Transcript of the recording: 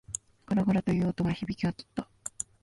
ガラガラ、という音が響き渡った。